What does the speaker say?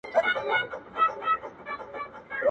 ما چي میوند، میوند نارې وهلې!!